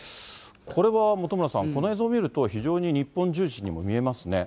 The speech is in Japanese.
これは本村さん、この映像見ると非常に日本重視にも見えますね。